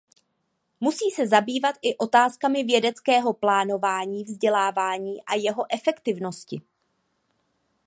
Musí se zabývat i otázkami vědeckého plánování vzdělávání a jeho efektivnosti.